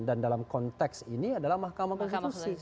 dan dalam konteks ini adalah mahkamah konstitusi